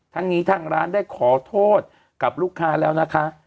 ทั้งนี้ทางร้านได้ขอโทษกับลูกค้าแล้วนะคะ